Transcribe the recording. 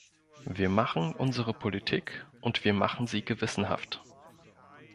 Wir machen unsere Politik, und wir machen sie gewissenhaft.